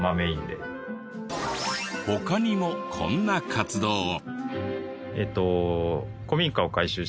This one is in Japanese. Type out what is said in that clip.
他にもこんな活動を。